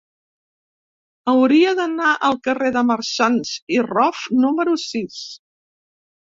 Hauria d'anar al carrer de Marsans i Rof número sis.